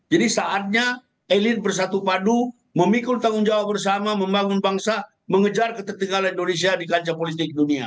jadi saatnya elit bersatu padu memikul tanggung jawab bersama membangun bangsa mengejar ketertinggalan indonesia di kancah politik dunia